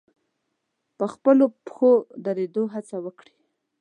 په خپلو پښو د درېدو هڅه وکړي.